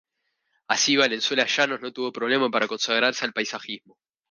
Así Valenzuela Llanos no tuvo problema para consagrarse al paisajismo.